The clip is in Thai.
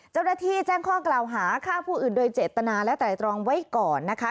เจ้าหน้าที่แจ้งข้อกล่าวหาฆ่าผู้อื่นโดยเจตนาและไตรตรองไว้ก่อนนะคะ